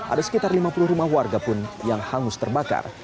ada sekitar lima puluh rumah warga pun yang hangus terbakar